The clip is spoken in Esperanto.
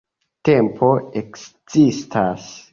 Tempo ekzistas!